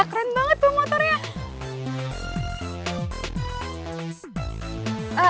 keren banget tuh motornya